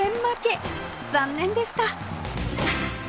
残念でした